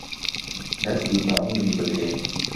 دەستی بە عومری بگرێ